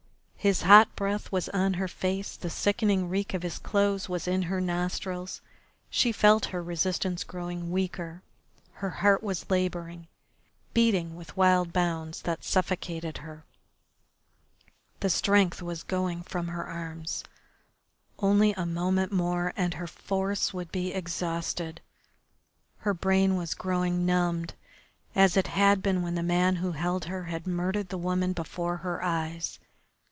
His hot breath was on her face, the sickening reek of his clothes was in her nostrils. She felt her resistance growing weaker, her heart was labouring, beating with wild bounds that suffocated her, the strength was going from her arms, only a moment more and her force would be exhausted. Her brain was growing numbed, as it had been when the man who held her had murdered the woman before her eyes.